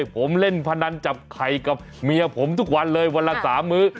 ผมเล่นพนันจับไข่กับเมียผมทุกวันเลยวันละ๓มื้อ